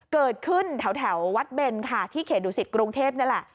เกิดขึ้นแถววัดเบนค่ะที่เขตดุสิตกรุงเทพนี่แหละ